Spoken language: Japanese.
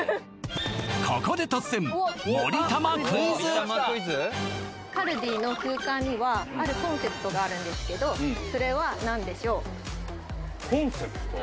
ここで突然カルディの空間にはあるコンセプトがあるんですけどそれは何でしょう？コンセプト？